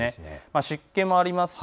湿気もありますし